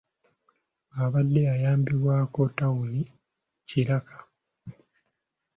Abadde ayambibwako ttawuni kkiraaka.